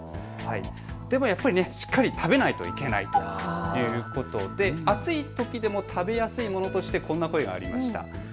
でもやっぱりしっかり食べないといけないということで暑いときでも食べやすいものとしてこんな声がありました。